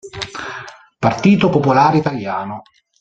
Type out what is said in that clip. Partito Popolare Italiano